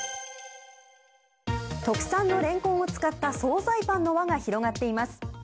特産のレンコンを使った総菜パンの輪が広がっています。